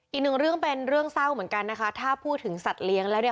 อีกหนึ่งเรื่องเป็นเรื่องเศร้าเหมือนกันนะคะถ้าพูดถึงสัตว์เลี้ยงแล้วเนี่ย